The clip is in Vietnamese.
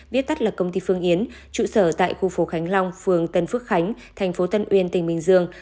viết tắt là công ty phương yến trụ sở tại khu phố khánh long phường tân phước khánh thành phố tân uyên tỉnh bình dương